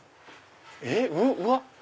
えっうわっ！